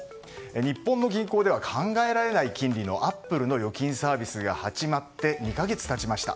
日本の銀行では考えられない金利のアップルの預金サービスが始まって、２か月が経ちました。